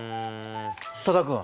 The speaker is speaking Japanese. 多田君。